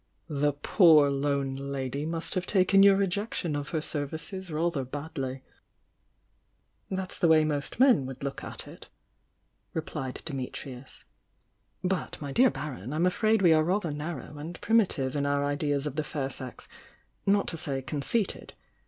"The poor lone lady' must have taken your rejection of her services rather badly." "'That's the way most men would look at it/' re plied Dimitrius. "But, my dear Baron, I'm afraid we are rather narrow and primitive in our ideas of the fair sex— not to say conceited.